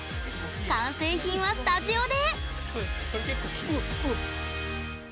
完成品はスタジオで！